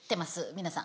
皆さん。